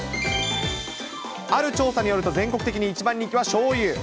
ある調査によると、全国的に一番人気はしょうゆ。